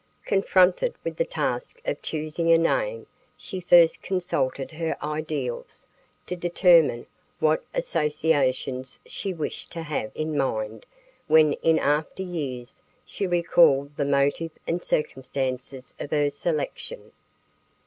Confronted with the task of choosing a name, she first consulted her ideals to determine what associations she wished to have in mind when in after years she recalled the motive and circumstances of her selection.